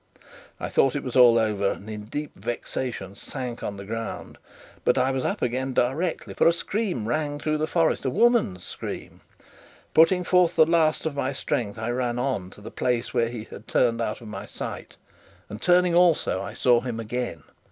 I thought all was over, and in deep vexation sank on the ground. But I was up again directly, for a scream rang through the forest a woman's scream. Putting forth the last of my strength, I ran on to the place where he had turned out of my sight, and, turning also, I saw him again.